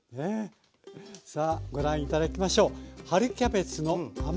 さあご覧頂きましょう。